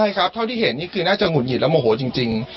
ใช่ครับเท่าที่เห็นนี่คือน่าจะหงุดหงิดและโมโหจริง